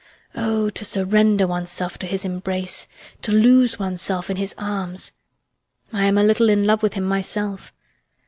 Oh, to surrender oneself to his embrace! To lose oneself in his arms! I am a little in love with him myself!